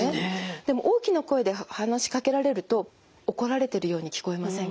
でも大きな声で話しかけられると怒られてるように聞こえませんか？